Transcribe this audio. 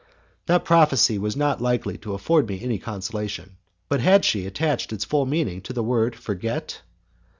That prophecy was not likely to afford me any consolation. But had she attached its full meaning to the word "forget?"